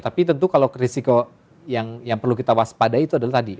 tapi tentu kalau risiko yang perlu kita waspadai itu adalah tadi